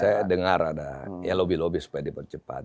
saya dengar ada ya lobby lobby supaya dipercepat